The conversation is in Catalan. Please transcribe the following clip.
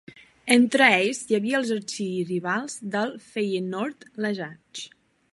Entre ells hi havia els arxirivals del Feyenoord, l'Ajax.